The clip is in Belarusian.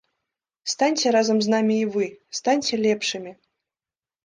Станьце разам з намі і вы, станьце лепшымі!